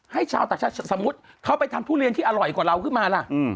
ชาวต่างชาติสมมุติเขาไปทำทุเรียนที่อร่อยกว่าเราขึ้นมาล่ะ